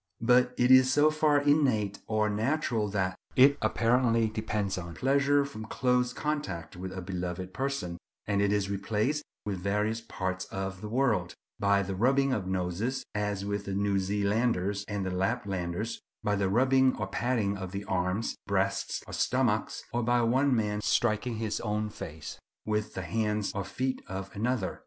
But it is so far innate or natural that it apparently depends on pleasure from close contact with a beloved person; and it is replaced in various parts of the world, by the rubbing of noses, as with the New Zealanders and Laplanders, by the rubbing or patting of the arms, breasts, or stomachs, or by one man striking his own face with the hands or feet of another.